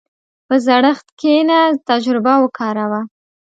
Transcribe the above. په زړښت کښېنه، تجربه وکاروه.